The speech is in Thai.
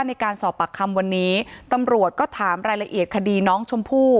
ในการสอบปากคำวันนี้ตำรวจก็ถามรายละเอียดคดีน้องชมพู่